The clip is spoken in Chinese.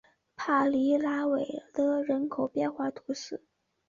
帕尼拉维勒人口变化图示